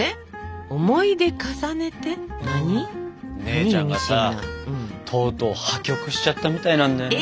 姉ちゃんがさとうとう破局しちゃったみたいなんだよね。